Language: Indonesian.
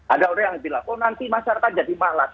ada orang yang bilang oh nanti masyarakat jadi malas